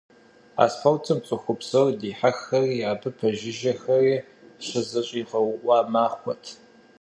А спортым цӏыху псори - дихьэххэри абы пэжыжьэхэри - щызэщӏигъэуӏуа махуэт.